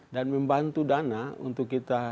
dan membantu dana untuk kita